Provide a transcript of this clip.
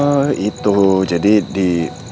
oh itu jadi di